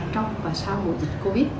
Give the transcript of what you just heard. trong và sau mùa dịch covid